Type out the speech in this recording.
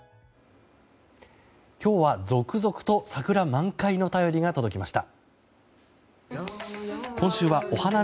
今日は続々と桜満開の便りが届きました。